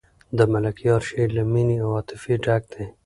د ملکیار شعر له مینې او عاطفې ډک دی.